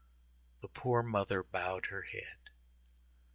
The poor mother bowed her head.